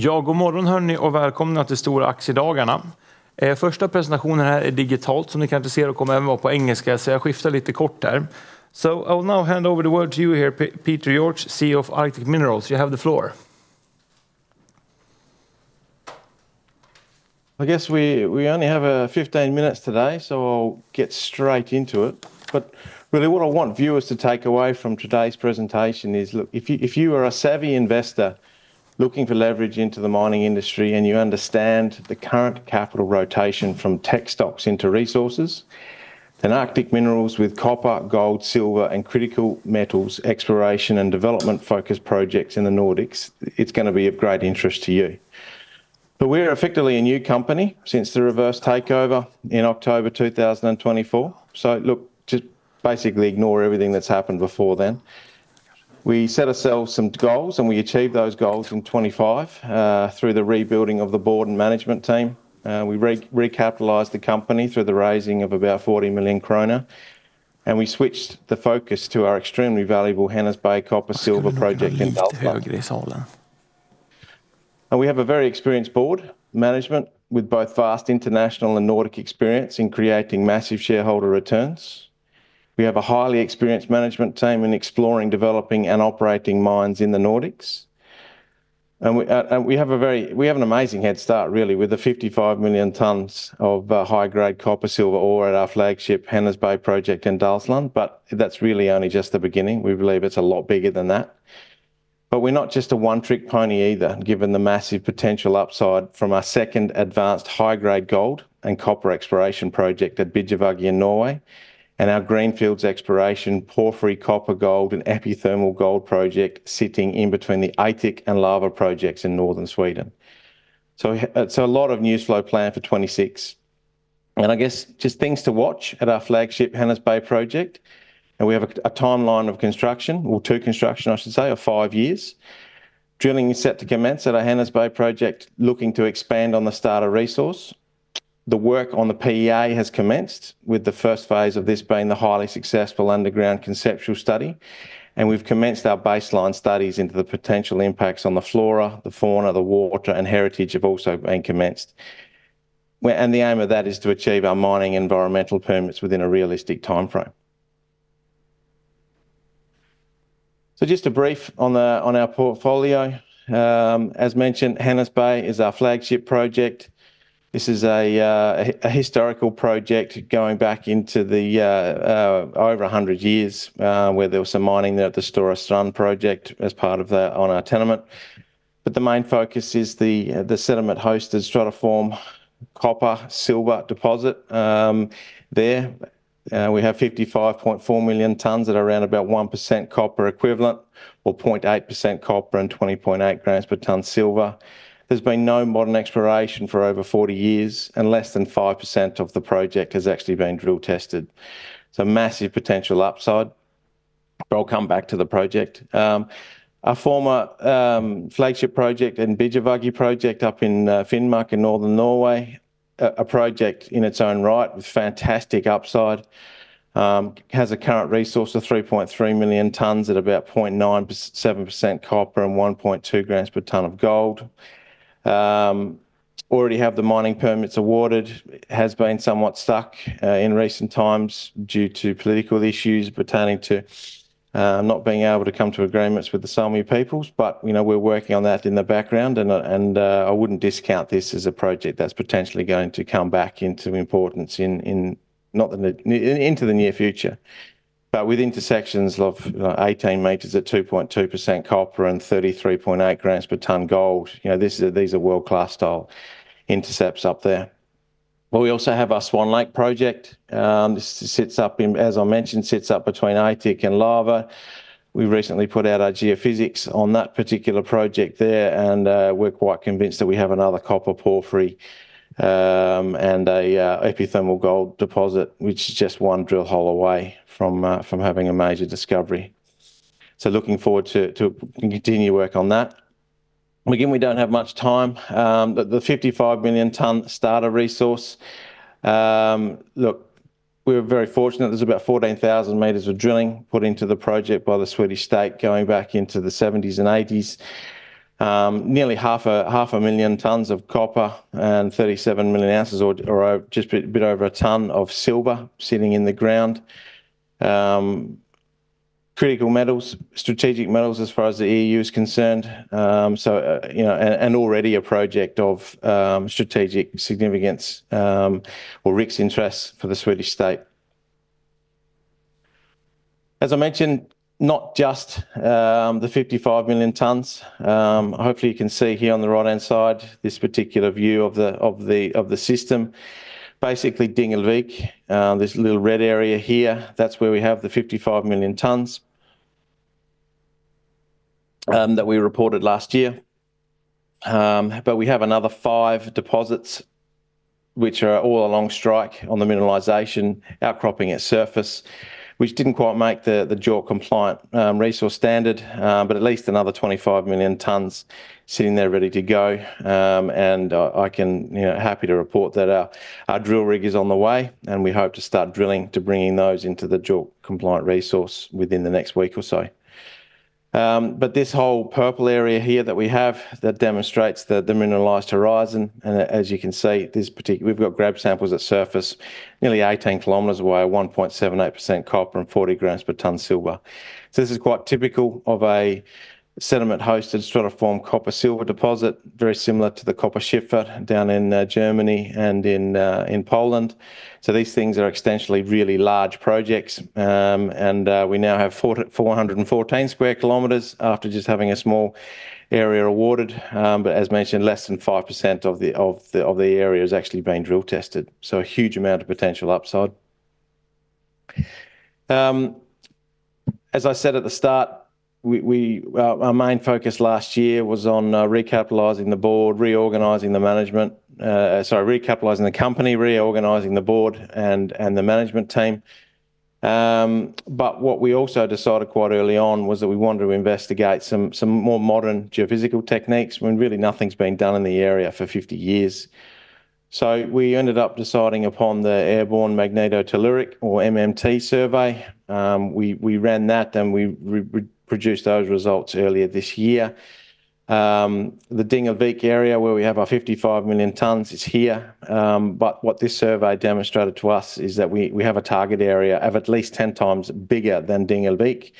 Ja, god morgon hörni och välkomna till Stora Aktiedagarna. Första presentationen här är digitalt som ni kanske ser och kommer även vara på engelska. Så jag skiftar lite kort här. I will now hand over the word to you here, Peter George, CEO of Arctic Minerals. You have the floor. I guess we only have 15 minutes today, so I'll get straight into it. Really what I want viewers to take away from today's presentation is, look, if you are a savvy investor looking for leverage into the mining industry and you understand the current capital rotation from tech stocks into resources, then Arctic Minerals with copper, gold, silver, and critical metals exploration and development-focused projects in the Nordics, it's gonna be of great interest to you. We're effectively a new company since the reverse takeover in October 2024. Look, just basically ignore everything that's happened before then. We set ourselves some goals, and we achieved those goals in 2025 through the rebuilding of the board and management team. We recapitalized the company through the raising of about 40 million kronor, and we switched the focus to our extremely valuable Hennes Bay copper-silver project in Dalsland. We have a very experienced board, management, with both vast international and Nordic experience in creating massive shareholder returns. We have a highly experienced management team in exploring, developing, and operating mines in the Nordics. We have an amazing head start, really, with the 55 million tons of high-grade copper-silver ore at our flagship Hennes Bay project in Dalsland. That's really only just the beginning. We believe it's a lot bigger than that. We're not just a one-trick pony either, given the massive potential upside from our second advanced high-grade gold and copper exploration project at Bidjovagge in Norway, and our greenfields exploration porphyry copper gold and epithermal gold project sitting in between the Aitik and Laver projects in northern Sweden. A lot of news flow planned for 2026. I guess just things to watch at our flagship Hennes Bay project, and we have a timeline of construction, or to construction, I should say, of five years. Drilling is set to commence at our Hennes Bay project, looking to expand on the starter resource. The work on the PEA has commenced, with the first phase of this being the highly successful underground conceptual study. We've commenced our baseline studies into the potential impacts on the flora, the fauna, the water, and heritage have also been commenced. The aim of that is to achieve our mining environmental permits within a realistic timeframe. Just a brief on our portfolio. As mentioned, Hennes Bay is our flagship project. This is a historical project going back to over 100 years, where there was some mining there at the Stora Strand project on our tenement. The main focus is the sediment-hosted stratiform copper, silver deposit there. We have 55.4 million tons at around about 1% copper equivalent, or 0.8% copper and 20.8 grams per ton silver. There's been no modern exploration for over 40 years, and less than 5% of the project has actually been drill tested. Massive potential upside, but I'll come back to the project. Our former flagship project in Bidjovagge project up in Finnmark in northern Norway, a project in its own right with fantastic upside, has a current resource of 3.3 million tons at about 0.97% copper and 1.2 grams per ton of gold. Already have the mining permits awarded. Has been somewhat stuck in recent times due to political issues pertaining to not being able to come to agreements with the Sámi peoples. You know, we're working on that in the background and I wouldn't discount this as a project that's potentially going to come back into importance into the near future. With intersections of 18 m at 2.2% copper and 33.8 grams per ton gold, you know, these are world-class style intercepts up there. We also have our Swan Lake project. This sits up, as I mentioned, between Aitik and Laver. We recently put out our geophysics on that particular project there, and we're quite convinced that we have another copper porphyry and a epithermal gold deposit, which is just one drill hole away from having a major discovery. Looking forward to continue work on that. Again, we don't have much time, but the 55 million ton starter resource, look, we're very fortunate. There's about 14,000 meters of drilling put into the project by the Swedish state going back into the 1970s and 1980s. Nearly 500,000 tons of copper and 37 million ounces or just over a ton of silver sitting in the ground. Critical metals, strategic metals as far as the EU is concerned, you know, already a project of strategic significance, or Riksintresse for the Swedish state. As I mentioned, not just the 55 million tons. Hopefully you can see here on the right-hand side this particular view of the system. Basically, Dingelvik, this little red area here, that's where we have the 55 million tons that we reported last year. We have another 5 deposits which are all along strike on the mineralization outcropping at surface, which didn't quite make the JORC compliant resource standard, but at least another 25 million tons sitting there ready to go. I can, you know, happy to report that our drill rig is on the way, and we hope to start drilling to bringing those into the JORC compliant resource within the next week or so. This whole purple area here that we have that demonstrates the mineralized horizon, and as you can see, this particular, we've got grab samples at surface nearly 18 kilometers away, 1.78% copper and 40 grams per ton silver. This is quite typical of a sediment-hosted stratiform copper-silver deposit, very similar to the Kupferschiefer down in Germany and in Poland. These things are extensional really large projects. We now have 414 square kilometers after just having a small area awarded. But as mentioned, less than 5% of the area is actually being drill tested. A huge amount of potential upside. As I said at the start, our main focus last year was on recapitalizing the company, reorganizing the board and the management team. But what we also decided quite early on was that we wanted to investigate some more modern geophysical techniques when really nothing's been done in the area for 50 years. We ended up deciding upon the airborne magnetotelluric or MMT survey. We ran that and we produced those results earlier this year. The Dingelvik area where we have our 55 million tons is here. What this survey demonstrated to us is that we have a target area of at least 10x bigger than Dingelvik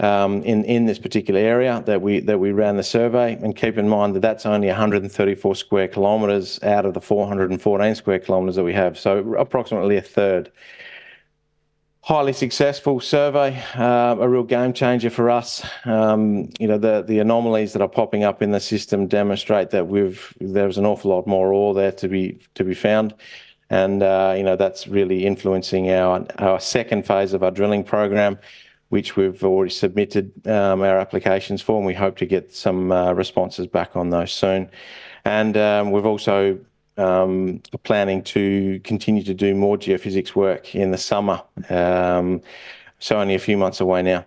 in this particular area that we ran the survey. Keep in mind that that's only 134 sq km out of the 414 sq km that we have. Approximately 1/3. Highly successful survey, a real game changer for us. You know, the anomalies that are popping up in the system demonstrate that there's an awful lot more ore there to be found. You know, that's really influencing our second phase of our drilling program, which we've already submitted our applications for, and we hope to get some responses back on those soon. We're also planning to continue to do more geophysics work in the summer, so only a few months away now.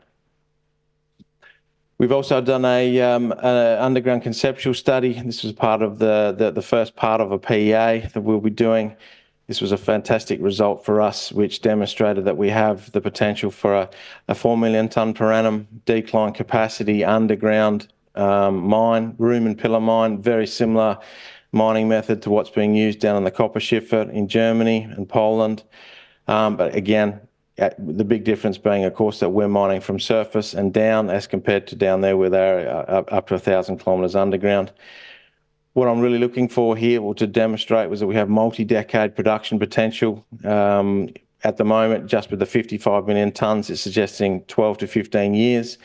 We've also done a underground conceptual study. This is part of the first part of a PEA that we'll be doing. This was a fantastic result for us, which demonstrated that we have the potential for a 4 million ton per annum decline capacity underground mine, room and pillar mine, very similar mining method to what's being used down in the Kupferschiefer in Germany and Poland. Again, the big difference being, of course, that we're mining from surface and down as compared to down there where they're up to a 1,000 km underground. What I'm really looking for here or to demonstrate was that we have multi-decade production potential. At the moment, just with the 55 million tons, it's suggesting 12-15 years.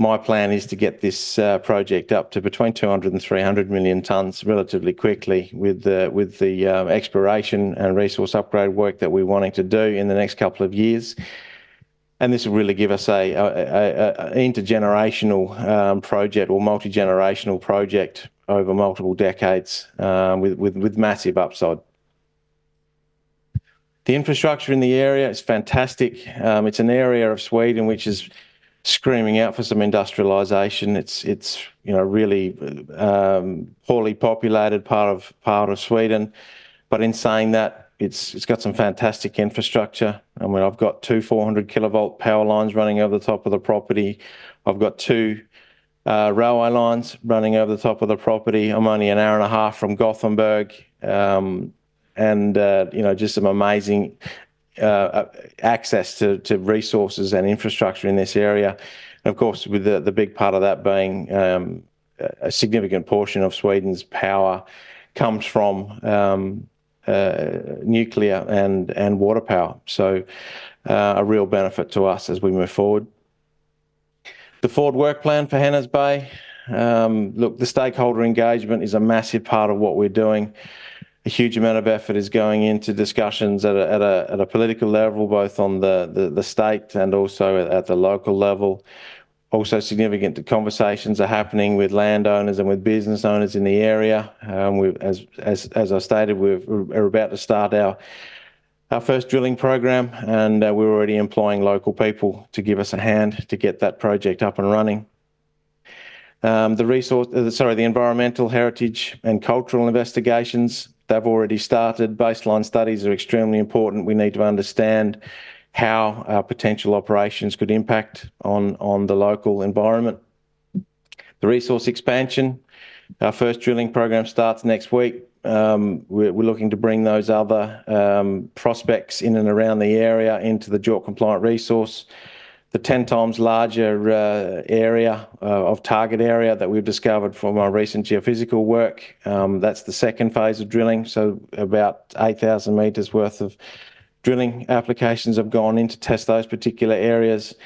My plan is to get this project up to between 200-300 million tons relatively quickly with the exploration and resource upgrade work that we're wanting to do in the next couple of years. This will really give us an intergenerational project or multi-generational project over multiple decades with massive upside. The infrastructure in the area is fantastic. It's an area of Sweden which is screaming out for some industrialization. It's you know really poorly populated part of Sweden. In saying that, it's got some fantastic infrastructure. I mean, I've got two 400-kilovolt power lines running over the top of the property. I've got two railway lines running over the top of the property. I'm only an hour and a half from Gothenburg. You know just some amazing access to resources and infrastructure in this area. Of course, with the big part of that being a significant portion of Sweden's power comes from nuclear and water power. A real benefit to us as we move forward. The forward work plan for Hennes Bay, the stakeholder engagement is a massive part of what we're doing. A huge amount of effort is going into discussions at a political level, both on the state and also at the local level. Significant conversations are happening with landowners and with business owners in the area. As I stated, we're about to start our first drilling program, and we're already employing local people to give us a hand to get that project up and running. The environmental heritage and cultural investigations, they've already started. Baseline studies are extremely important. We need to understand how our potential operations could impact on the local environment. The resource expansion, our first drilling program starts next week. We're looking to bring those other prospects in and around the area into the JORC compliant resource. The 10 times larger area of target area that we've discovered from our recent geophysical work, that's the second phase of drilling. About 8,000 meters worth of drilling applications have gone in to test those particular areas.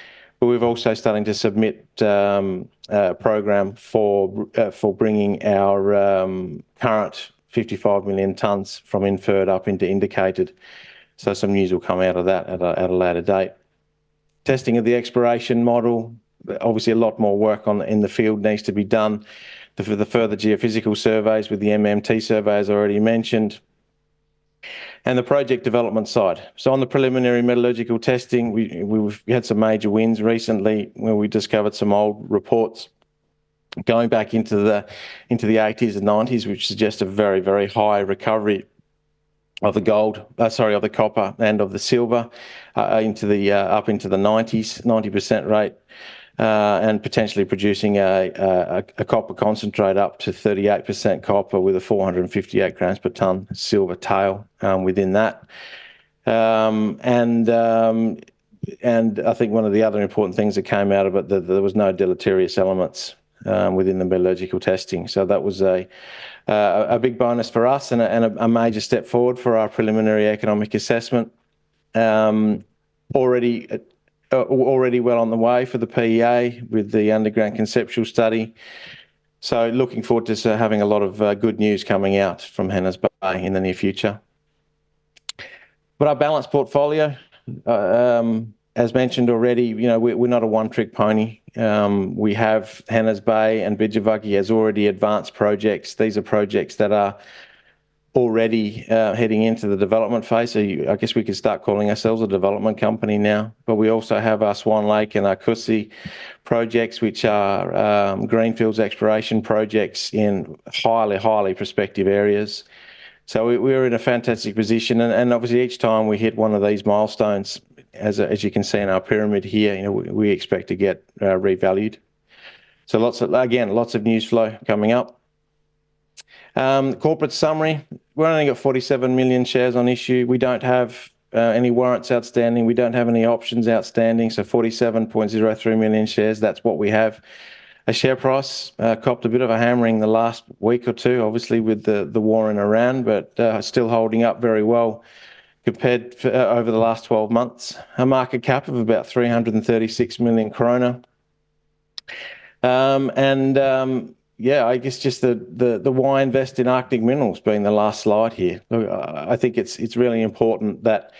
We're also starting to submit a program for bringing our current 55 million tons from inferred up into indicated. Some news will come out of that at a later date. Testing of the exploration model, obviously a lot more work in the field needs to be done for the further geophysical surveys with the MMT surveys already mentioned. The project development side. On the preliminary metallurgical testing, we've had some major wins recently where we discovered some old reports going back into the eighties and nineties, which suggest a very high recovery of the gold— oh sorry, the copper and of the silver up into the 90s, 90% rate, and potentially producing a copper concentrate up to 38% copper with a 458 grams per ton silver tail within that. I think one of the other important things that came out of it that there was no deleterious elements within the biological testing. That was a big bonus for us and a major step forward for our preliminary economic assessment, already well on the way for the PEA with the underground conceptual study. Looking forward to seeing a lot of good news coming out from Hennes Bay in the near future. Our balanced portfolio, as mentioned already, you know, we're not a one-trick pony. We have Hennes Bay and Bidjovagge as already advanced projects. These are projects that are already heading into the development phase. I guess we could start calling ourselves a development company now. We also have our Swan Lake and our Kuusi projects, which are greenfields exploration projects in highly prospective areas. We're in a fantastic position and obviously each time we hit one of these milestones as you can see in our pyramid here, you know, we expect to get revalued. Lots of news flow coming up. Corporate summary. We're only at 47 million shares on issue. We don't have any warrants outstanding. We don't have any options outstanding. 47.03 million shares, that's what we have. Our share price copped a bit of a hammering the last week or two, obviously with the war in Ukraine, but still holding up very well compared for over the last 12 months. Our market cap of about 336 million krona. And yeah, I guess just the why invest in Arctic Minerals being the last slide here. I think it's really important that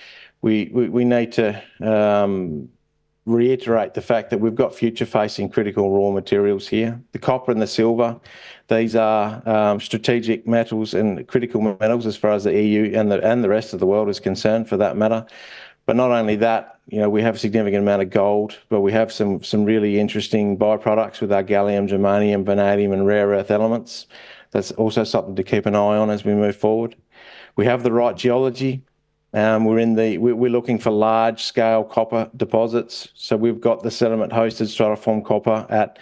we need to reiterate the fact that we've got future-facing critical raw materials here. The copper and the silver, these are strategic metals and critical metals as far as the EU and the rest of the world is concerned for that matter. Not only that, you know, we have a significant amount of gold, but we have some really interesting byproducts with our gallium, germanium, vanadium and rare earth elements. That's also something to keep an eye on as we move forward. We have the right geology, we're looking for large-scale copper deposits. So we've got the sediment-hosted stratiform copper at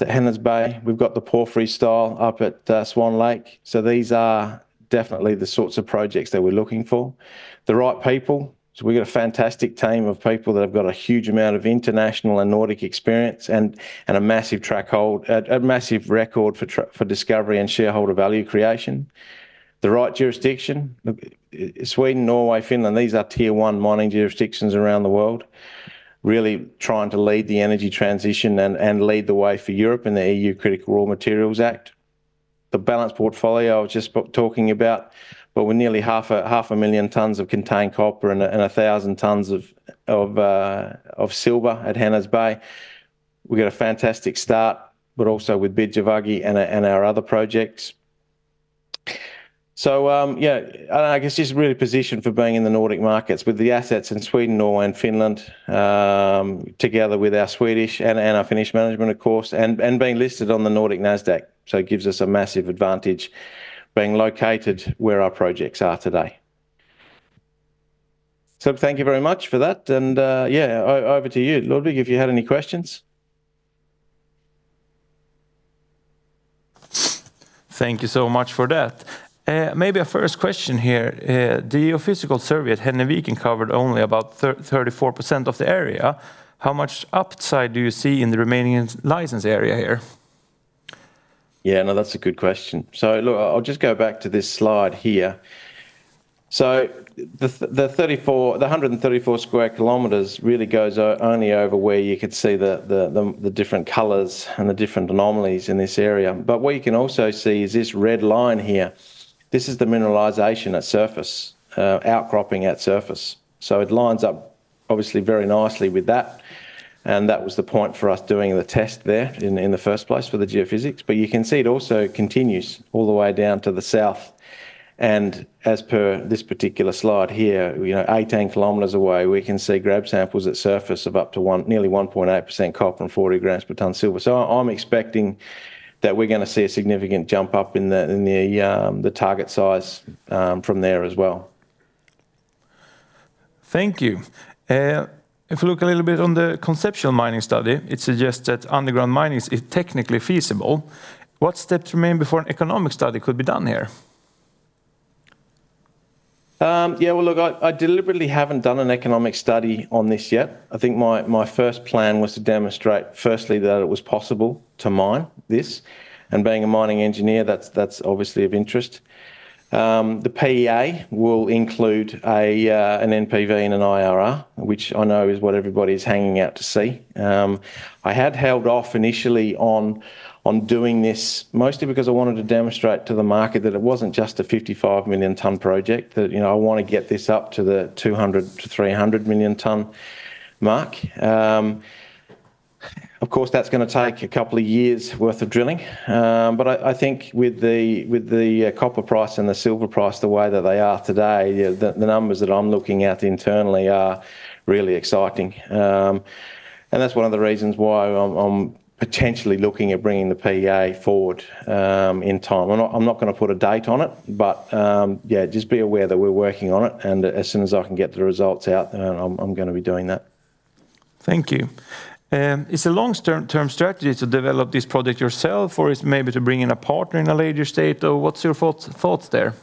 Hennes Bay. We've got the porphyry style up at Swan Lake. So these are definitely the sorts of projects that we're looking for. The right people. We've got a fantastic team of people that have got a huge amount of international and Nordic experience and a massive track record for discovery and shareholder value creation. The right jurisdiction. Sweden, Norway, Finland, these are Tier 1 mining jurisdictions around the world really trying to lead the energy transition and lead the way for Europe and the EU Critical Raw Materials Act. The balanced portfolio I was just talking about. We're nearly 500,000 tons of contained copper and 1,000 tons of silver at Hennes Bay. We've got a fantastic start, but also with Bidjovagge and our other projects. I guess just really positioned for being in the Nordic markets with the assets in Sweden, Norway and Finland, together with our Swedish and our Finnish management of course, and being listed on the Nasdaq Nordic. It gives us a massive advantage being located where our projects are today. Thank you very much for that. Over to you, Ludvig, if you had any questions. Thank you so much for that. Maybe a first question here. The geophysical survey at Hennes Bay covered only about 34% of the area. How much upside do you see in the remaining license area here? Yeah. No, that's a good question. Look, I'll just go back to this slide here. The 134 sq km really goes only over where you could see the different colors and the different anomalies in this area. What you can also see is this red line here. This is the mineralization at surface, outcropping at surface. It lines up obviously very nicely with that, and that was the point for us doing the test there in the first place for the geophysics. You can see it also continues all the way down to the south. As per this particular slide here, you know, 18 km away, we can see grab samples at surface of up to nearly 1.8% copper and 40 grams per ton silver. I'm expecting that we're gonna see a significant jump up in the target size from there as well. Thank you. If we look a little bit on the conceptual mining study, it suggests that underground mining is technically feasible. What steps remain before an economic study could be done here? Yeah. Well, look, I deliberately haven't done an economic study on this yet. I think my first plan was to demonstrate firstly that it was possible to mine this, and being a mining engineer, that's obviously of interest. The PEA will include an NPV and an IRR, which I know is what everybody's hanging out to see. I had held off initially on doing this mostly because I wanted to demonstrate to the market that it wasn't just a 55 million ton project, that, you know, I wanna get this up to the 200-300 million ton mark. Of course, that's gonna take a couple of years' worth of drilling. I think with the copper price and the silver price the way that they are today, the numbers that I'm looking at internally are really exciting. That's one of the reasons why I'm potentially looking at bringing the PEA forward in time. I'm not gonna put a date on it, yeah, just be aware that we're working on it. As soon as I can get the results out, then I'm gonna be doing that. Thank you. Is the long-term strategy to develop this product yourself, or it's maybe to bring in a partner in a later stage, or what's your thoughts there?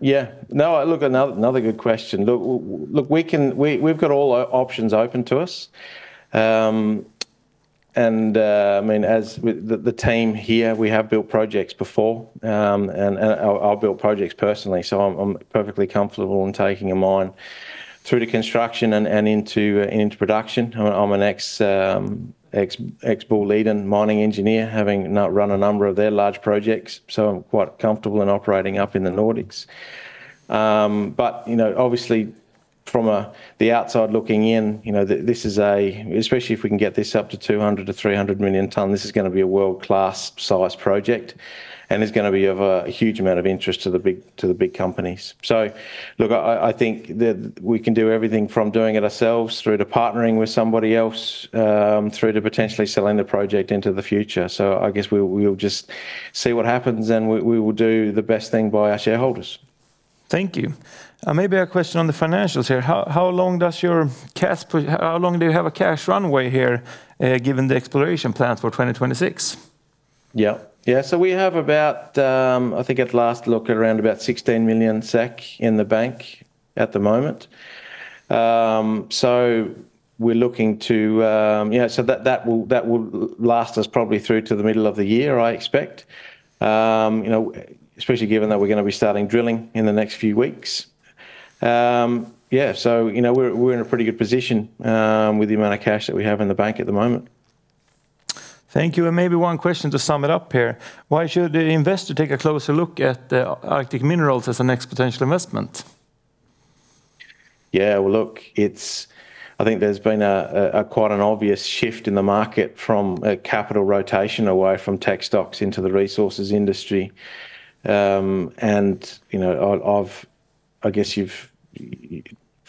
Yeah. No, look, another good question. Look, we've got all options open to us. I mean, the team here, we have built projects before, and I'll build projects personally, so I'm perfectly comfortable in taking a mine through to construction and into production. I'm an ex-Boliden mining engineer, having now run a number of their large projects, so I'm quite comfortable in operating up in the Nordics. You know, obviously from the outside looking in, you know, this is a, especially if we can get this up to 200-300 million ton, this is gonna be a world-class size project, and it's gonna be of a huge amount of interest to the big companies. Look, I think that we can do everything from doing it ourselves through to partnering with somebody else, through to potentially selling the project into the future. I guess we'll just see what happens, and we will do the best thing by our shareholders. Thank you. Maybe a question on the financials here. How long do you have a cash runway here, given the exploration plans for 2026? Yeah. Yeah. We have about, I think at last look, around about 16 million in the bank at the moment. We're looking to, yeah, that will last us probably through to the middle of the year, I expect. You know, especially given that we're gonna be starting drilling in the next few weeks. Yeah, you know, we're in a pretty good position with the amount of cash that we have in the bank at the moment. Thank you, and maybe one question to sum it up here. Why should the investor take a closer look at Arctic Minerals as the next potential investment? Yeah. Well, look, it's. I think there's been a quite an obvious shift in the market from a capital rotation away from tech stocks into the resources industry.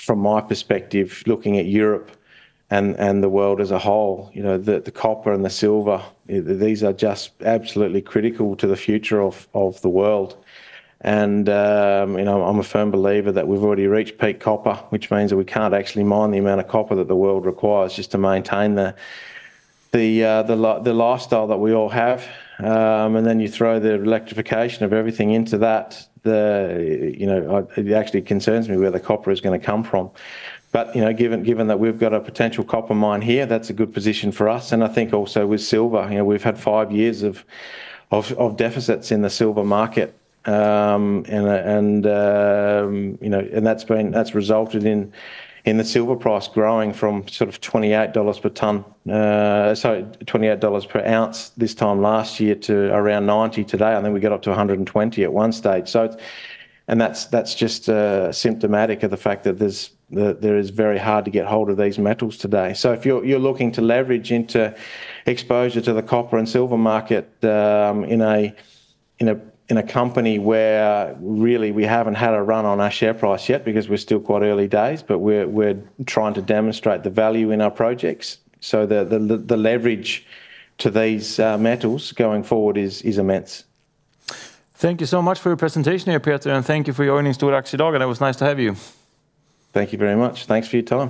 From my perspective, looking at Europe and the world as a whole, you know, the copper and the silver, these are just absolutely critical to the future of the world. You know, I'm a firm believer that we've already reached peak copper, which means that we can't actually mine the amount of copper that the world requires just to maintain the lifestyle that we all have. Then you throw the electrification of everything into that, you know, it actually concerns me where the copper is gonna come from. You know, given that we've got a potential copper mine here, that's a good position for us, and I think also with silver. You know, we've had five years of deficits in the silver market. That's resulted in the silver price growing from sort of $28 per ounce this time last year to around $90 today, and then we got up to $120 at one stage. That's just symptomatic of the fact that it's very hard to get hold of these metals today. If you're looking to leverage into exposure to the copper and silver market, in a company where really we haven't had a run on our share price yet because we're still quite early days, but we're trying to demonstrate the value in our projects. The leverage to these metals going forward is immense. Thank you so much for your presentation here, Peter, and thank you for your earnings tour at Aktiedagen. It was nice to have you. Thank you very much. Thanks for your time.